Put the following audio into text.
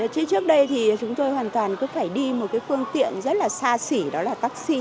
chứ trước đây thì chúng tôi hoàn toàn cứ phải đi một cái phương tiện rất là xa xỉ đó là taxi